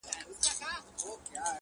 بې حیا یم، بې شرفه په وطن کي~